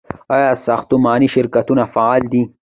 آیا ساختماني شرکتونه فعال دي؟